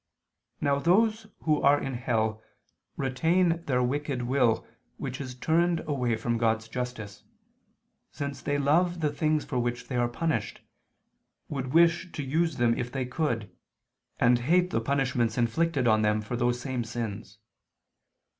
Now those who are in hell retain their wicked will which is turned away from God's justice, since they love the things for which they are punished, would wish to use them if they could, and hate the punishments inflicted on them for those same sins.